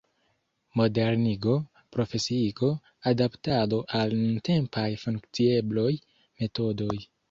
Modernigo, profesiigo, adaptado al nuntempaj funkciebloj, metodoj.